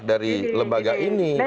dari lembaga ini